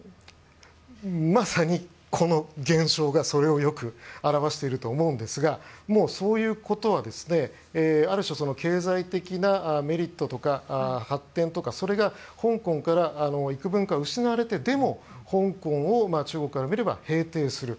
まさに、この現象がよく表していると思いますがそういうことはある種、経済的なメリットとか発展とか、それが香港から幾分か失われてでも、香港を中国から見れば平定する。